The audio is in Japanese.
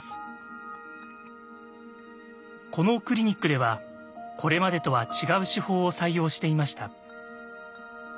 このクリニックではこれまでとは違う手法を採用していました。